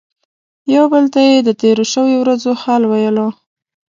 یو بل ته یې د تیرو شویو ورځو حال ویلو.